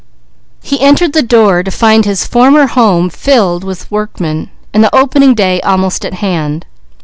He entered the door to find his former home filled with workmen, and the opening day almost at hand.